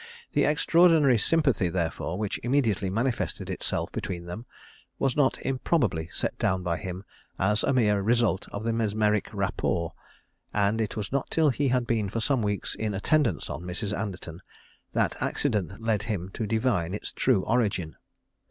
The extraordinary sympathy therefore which immediately manifested itself between them was not improbably set down by him as a mere result of the mesmeric rapport, and it was not till he had been for some weeks in attendance on Mrs. Anderton that accident led him to divine its true origin.